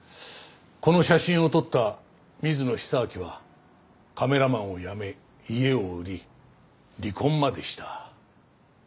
この写真を撮った水野久明はカメラマンを辞め家を売り離婚までした。